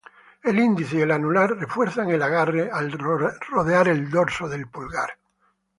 El índice y el anular refuerzan el agarre al rodear el dorso del pulgar.